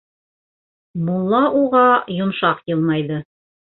Мулла уға йомшаҡ йылмайҙы: